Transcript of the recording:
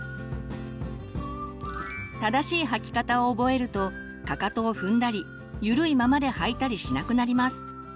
正しい履き方を覚えるとかかとを踏んだりゆるいままで履いたりしなくなります。